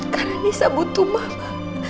karena isah butuh mama